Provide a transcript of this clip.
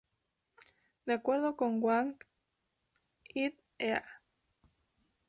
De acuerdo con Wang "et al".